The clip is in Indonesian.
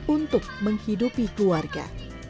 untuk menghidupi keluarga